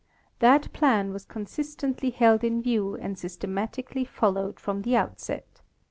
That plan was consistently held in view and systematically followed from the outset.